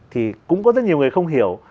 thì cũng có rất nhiều người không hiểu